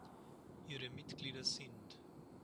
Ihre Mitglieder sind